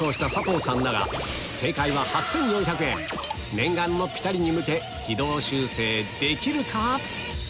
念願のピタリに向け軌道修正できるか？